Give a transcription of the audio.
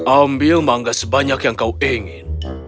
ambil mangga sebanyak yang kau ingin